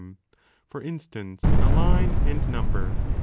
them, for instance, a line and number.